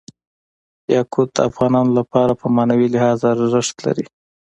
یاقوت د افغانانو لپاره په معنوي لحاظ ارزښت لري.